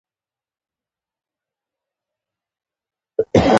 غرونه د افغانستان د کلتوري میراث برخه ده.